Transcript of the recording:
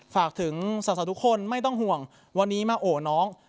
ฝากถึงสาวทุกคนไม่ต้องห่วงวันนี้มาโอ้น้อง